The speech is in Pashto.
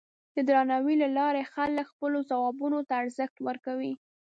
د درناوي له لارې خلک خپلو ځوابونو ته ارزښت ورکوي.